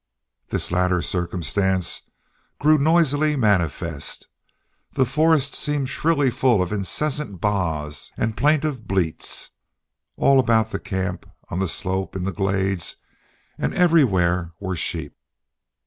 This latter circumstance grew noisily manifest. The forest seemed shrilly full of incessant baas and plaintive bleats. All about the camp, on the slope, in the glades, and everywhere, were sheep.